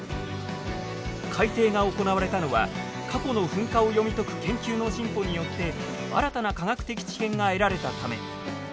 改定が行われたのは過去の噴火を読み解く研究の進歩によって新たな科学的知見が得られたため。